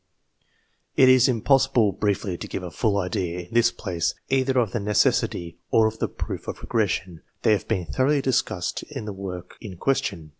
It is impossible briefly to give a full idea, in this place, either of the necessity or of the proof of regression ; they have been thoroughly discussed in the work in question.